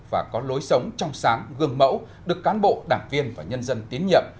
và có lối sống trong sáng gương mẫu được cán bộ đảng viên và nhân dân tín nhiệm